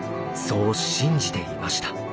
そう信じていました。